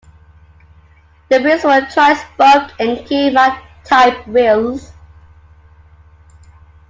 The wheels were tri-spoke Enkei mag-type wheels.